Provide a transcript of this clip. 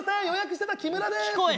予約してた木村です！